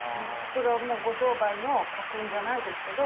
それはもうご商売の家訓じゃないですけど。